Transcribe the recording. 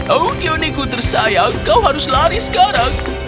oh kioni ku tersayang kau harus lari sekarang